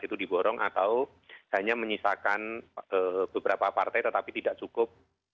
itu diborong atau hanya menyisakan beberapa partai tetapi tidak cukup